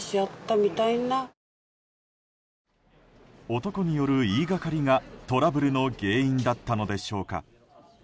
男による言いがかりがトラブルの原因だったのでしょうか。